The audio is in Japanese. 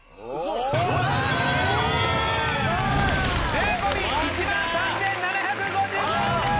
税込１３７５０円でーす！